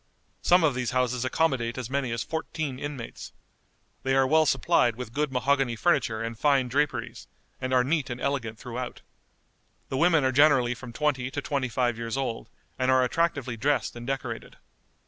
Some of these houses accommodate as many as fourteen inmates. They are well supplied with good mahogany furniture and fine draperies, and are neat and elegant throughout. The women are generally from twenty to twenty five years old, and are attractively dressed and decorated.